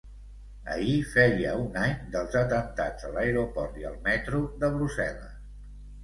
Ahir feia un any dels atemptats a l’aeroport i al metro de Brussel·les.